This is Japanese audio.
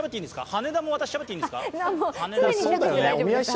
羽田も私、しゃべっていいんですか？